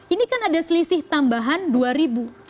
ini kan ada selisih tambahan dua ribu